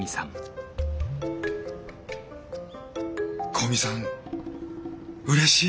古見さんうれしい。